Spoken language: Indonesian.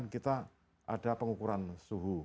kita ada pengukuran suhu